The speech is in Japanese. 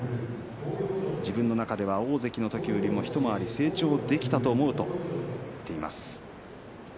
自分の中では大関の時よりも一回り成長できたと思うと言っています。